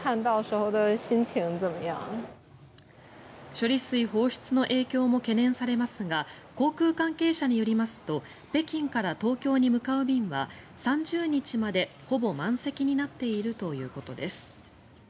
処理水放出の影響も懸念されますが航空関係者によりますと北京から東京に向かう便は３０日までほぼ満席になっているということです。